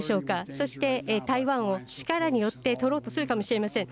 そして台湾を力によって取ろうとするかもしれません。